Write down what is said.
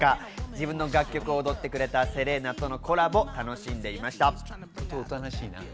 自分の楽曲を踊ってくれたセレーナとのコラボ楽しんでいました。